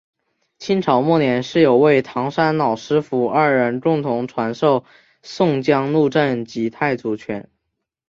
清朝末年是有位唐山老师父二人共同传授宋江鹿阵及太祖拳。